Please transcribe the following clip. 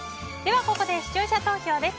ここで視聴者投票です。